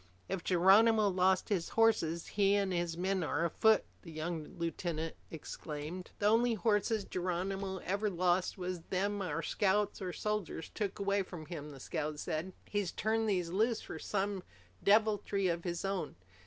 "If Geronimo's lost his horses, he and his men are afoot!" the young lieutenant exclaimed. "The only horses Geronimo ever lost was them our scouts or soldiers took away from him," the scout said. "He's turned these loose for some deviltry of his own.